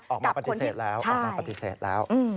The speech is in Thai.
ออกมาปฏิเสธแล้ว